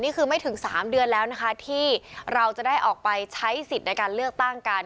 นี่คือไม่ถึง๓เดือนแล้วนะคะที่เราจะได้ออกไปใช้สิทธิ์ในการเลือกตั้งกัน